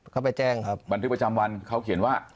เขาไปแจ้งครับบันทึกประจำวันเขาเขียนว่า